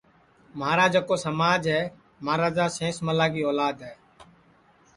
مہارا جکو سماج ہے مہاراجا سینس ملا کی اولاد ہے